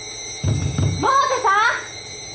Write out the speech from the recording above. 百瀬さん！